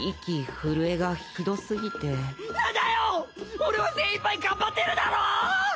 俺は精いっぱい頑張ってるだろ！